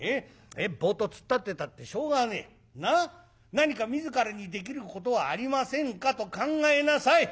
何か自らにできることはありませんかと考えなさい。